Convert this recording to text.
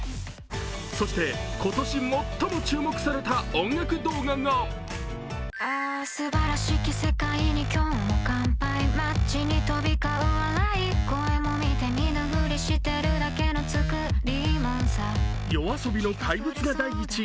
そして今年最も注目された音楽動画がＹＯＡＳＯＢＩの「怪物」が第１位。